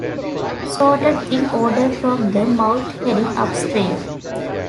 Sorted in order from the mouth heading upstream.